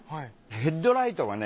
ヘッドライトがね